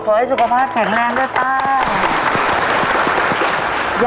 ขอให้สุขภาพแข็งแรงด้วยป้า